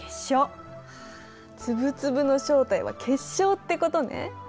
粒々の正体は結晶ってことね。